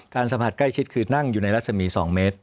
สัมผัสใกล้ชิดคือนั่งอยู่ในรัศมี๒เมตร